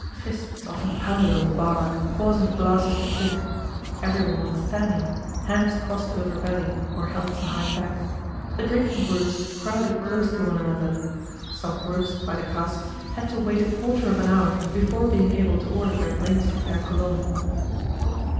Fists often pounded on the bar, causing the glasses to clink. Everyone was standing, hands crossed over belly or held behind back. The drinking groups crowded close to one another. Some groups, by the casks, had to wait a quarter of an hour before being able to order their drinks of Pere Colombe.